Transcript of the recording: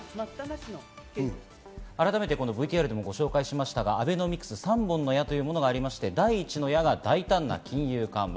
改めてこのＶＴＲでご紹介しましたが、アベノミクス３本の矢というものがありまして、第１の矢が大胆な金融緩和。